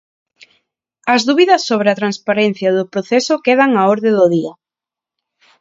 As dúbidas sobre a transparencia do proceso quedan á orde do día.